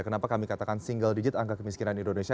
kenapa kami katakan single digit angka kemiskinan indonesia